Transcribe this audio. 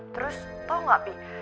terus tau gak pi